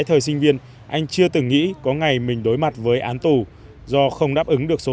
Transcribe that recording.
thời sinh viên anh chưa từng nghĩ có ngày mình đối mặt với án tù do không đáp ứng được số